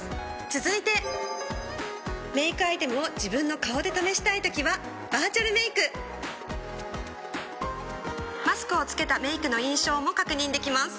続いてメイクアイテムを自分の顔で試したいときは「バーチャルメイク」マスクを着けたメイクの印象も確認できます。